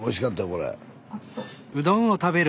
これ。